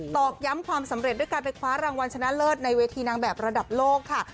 อกย้ำความสำเร็จด้วยการไปคว้ารางวัลชนะเลิศในเวทีนางแบบระดับโลกค่ะ